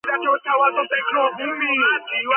დაფუძნებულია ძველი სლავურ ენაზე.